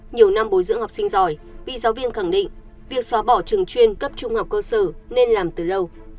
nhiều năm bồi dưỡng học sinh giỏi vì giáo viên khẳng định việc xóa bỏ trường chuyên cấp trung học cơ sở nên làm từ lâu